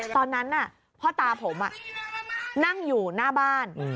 ตอนนั้นพ่อตาผมนั่งอยู่หน้าบ้าน